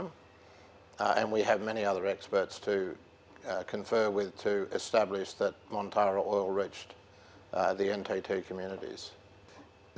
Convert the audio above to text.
dan kami memiliki banyak bukti lain yang bisa dikonfirmasi untuk menjelaskan bahwa minyak dari montara mencapai komunitas ntt